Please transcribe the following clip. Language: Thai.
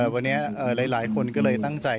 วันนี้หลายคนก็เลยตั้งใจ